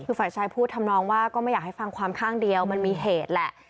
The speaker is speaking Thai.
คือฝ่ายชายพูดทำนองว่าก็ไม่อยากให้ฟังความข้างเดียวมันมีเหตุแหละ